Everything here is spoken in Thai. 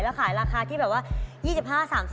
แล้วขายราคาที่แบบว่า๒๕๓๐